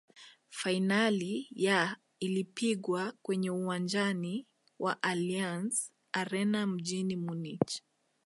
fainali ya ilipigwa kwenye uwanjani wa allianz arena mjini munich